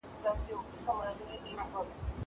نَّجَّيْنَاهُم بِسَحَرٍ.